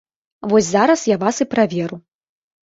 Вось зараз я вас і праверу.